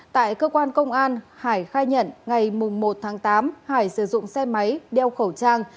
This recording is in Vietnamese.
tại cơ quan công an hải khai nhận ngày một tháng tám hải sử dụng xe máy đeo khẩu trang